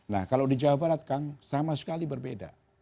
nah kalau di jawa barat kang sama sekali berbeda